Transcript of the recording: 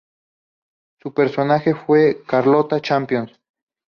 Su personaje fue Carlotta Campion.